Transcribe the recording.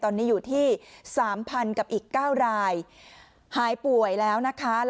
ตอนนี้อยู่ที่๓๐๐๐กับอีก๙รายหายป่วยแล้วนะคะ